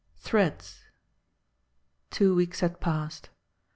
IV THREADS TWO weeks had passed.